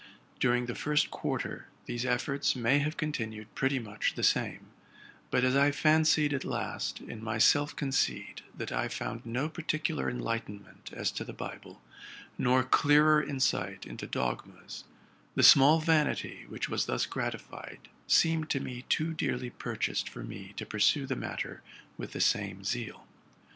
During the first quarter these efforts may have continued pretty much the same; but as I fancied at last, in my self conceit, that I found no particular enlightenment as to the Bible, nor clearer insight into dogmas, the small vanity which was thus grati fied seemed to me too dearly purchased for me to pursue the matter with the same zeal.